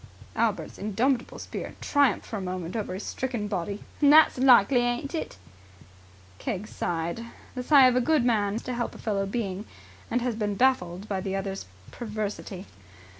Albert's indomitable spirit triumphed for a moment over his stricken body. "That's likely, ain't it!" Keggs sighed the sigh of a good man who has done his best to help a fellow being and has been baffled by the other's perversity.